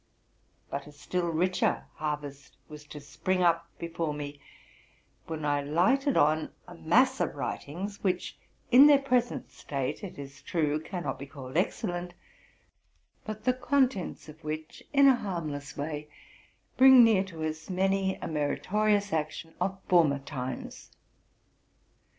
But a still richer harvest was to spring up before me, when I lighted on a mass of writings, which, in their present state, it is true, cannot be called excellent, but the contents of which, in a harmless way, bring near to us many a merito rious action of former times.